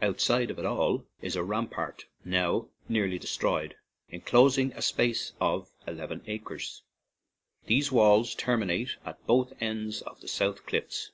Out side of it all is a rampart, now nearly de stroyed, enclosing a space of eleven acres. These walls terminate at both ends on the south cliffs.